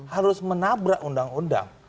harus menabrak undang undang